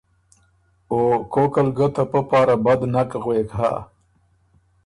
او کوکل ګه ته پۀ پاره بد نک غوېک هۀ۔